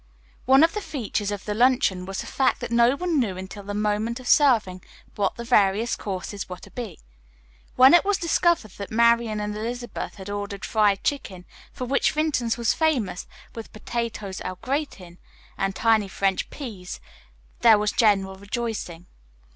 One of the features of the luncheon was the fact that no one knew until the moment of serving what the various courses were to be. When it was discovered that Marian and Elizabeth had ordered fried chicken, for which Vinton's was famous, with potatoes au gratin and tiny French peas, there was general rejoicing.